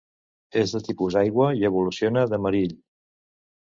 És de tipus aigua i evoluciona de Marill.